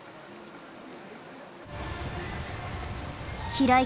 平井